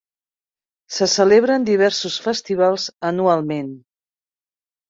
Se celebren diversos festivals anualment.